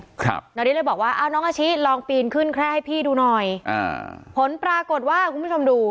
ด้วยครับแล้วเลยบอกว่าน้องอาชิลองปีนขึ้นแค่ให้พี่ดูหน่อยผลปรากฏว่าคุณผู้ชมดู